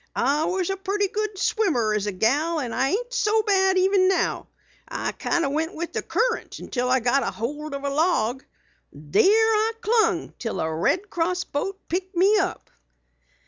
I was a purty good swimmer as a gal and I ain't so bad even now. I kinda went with the current until I got ahold of a log. There I clung until a Red Cross boat picked me up."